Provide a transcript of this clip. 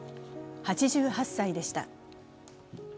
８８歳でした。